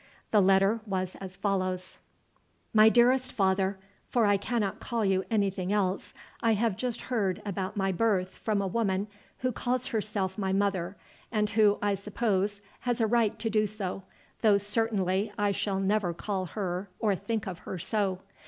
The letter was as follows: "My dearest father, for I cannot call you anything else, I have just heard about my birth from a woman who calls herself my mother, and who, I suppose, has a right to do so, though certainly I shall never call her or think of her so.